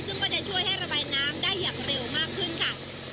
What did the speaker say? ซึ่งก็จะช่วยให้ระบายน้ำได้อย่างเร็วมากขึ้นค่ะ